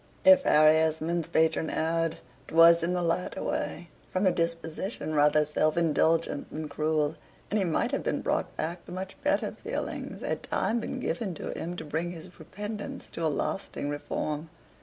If Harry Esmond's patron erred, 'twas in the latter way, from a disposition rather self indulgent than cruel; and he might have been brought back to much better feelings, had time been given to him to bring his repentance to a lasting reform.